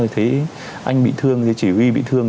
thì thấy anh bị thương thì chỉ huy bị thương